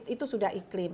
itu sudah iklim